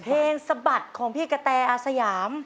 สะบัดของพี่กะแตอาสยาม